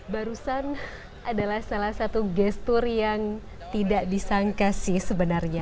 barusan adalah salah satu gestur yang tidak disangka sih sebenarnya